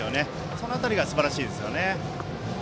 その辺りがすばらしいですね。